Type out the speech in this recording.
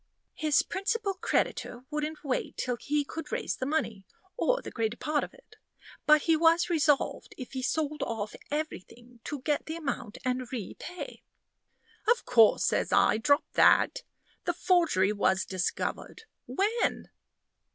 "His principal creditor wouldn't wait till he could raise the money, or the greater part of it. But he was resolved, if he sold off everything, to get the amount and repay " "Of course," says I, "drop that. The forgery was discovered. When?"